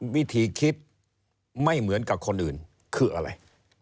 วิธีคิดไม่เหมือนกับคนอื่นคืออะไร